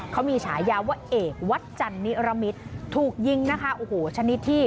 เขามีฉายาว่าเอกวัดจันนิรมิตถูกยิงนะคะโอ้โหชนิดที่